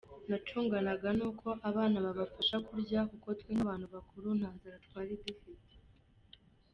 Nacunganaga nuko abana babasha kurya kuko twe nk’abantu bakuru nta nzara twari dufite.